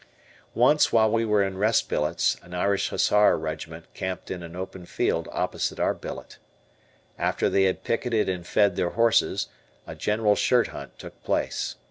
Once while we were in rest billets an Irish Hussar regiment camped in an open field opposite our billet. After they had picketed and fed their horses, a general shirt hunt took place.